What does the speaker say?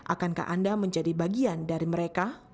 akankah anda menjadi bagian dari mereka